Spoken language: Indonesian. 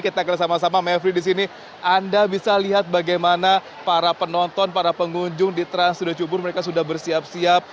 kita akan sama sama mevri di sini anda bisa lihat bagaimana para penonton para pengunjung di trans studio cibubur mereka sudah bersiap siap